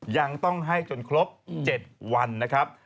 ยังต้องให้จนครบ๗วันนะครับ